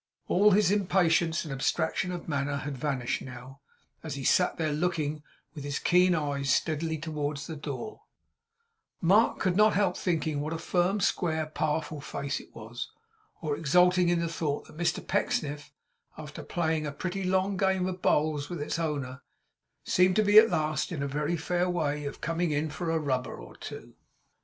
All his impatience and abstraction of manner had vanished now; and as he sat there, looking, with his keen eyes, steadily towards the door, Mark could not help thinking what a firm, square, powerful face it was; or exulting in the thought that Mr Pecksniff, after playing a pretty long game of bowls with its owner, seemed to be at last in a very fair way of coming in for a rubber or two.